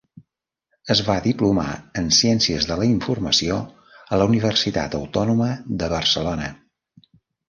Es va diplomar en ciències de la informació a la Universitat Autònoma de Barcelona.